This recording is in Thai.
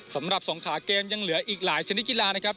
สำหรับสงขาเกมยังเหลืออีกหลายชนิดกีฬานะครับ